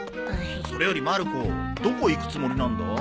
それよりまる子どこ行くつもりなんだ？